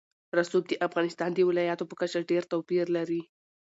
رسوب د افغانستان د ولایاتو په کچه ډېر توپیر لري.